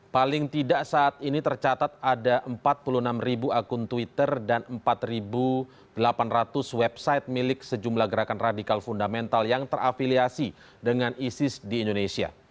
paling tidak saat ini tercatat ada empat puluh enam akun twitter dan empat delapan ratus website milik sejumlah gerakan radikal fundamental yang terafiliasi dengan isis di indonesia